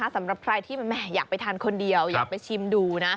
สำหรับใครที่อยากไปทานคนเดียวอยากไปชิมดูนะ